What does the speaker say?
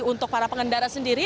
untuk para pengendara sendiri